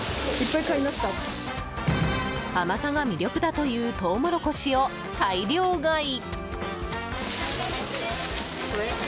甘さが魅力だというトウモロコシを大量買い。